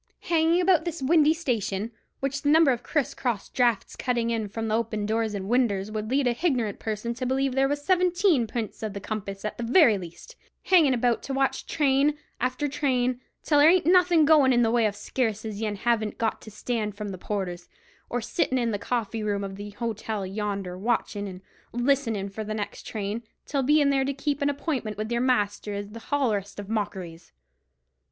Hanging about this windy station, which the number of criss cross draughts cuttin' in from open doors and winders would lead a hignorant person to believe there was seventeen p'ints of the compass at the very least—hangin' about to watch train after train, till there ain't anything goin' in the way of sarce as yen haven't got to stand from the porters; or sittin' in the coffee room of the hotel yonder, watchin' and listenin' for the next train, till bein' there to keep an appointment with your master is the hollerest of mockeries."